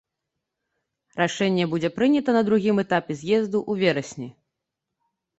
Рашэнне будзе прынята на другім этапе з'езду ў верасні.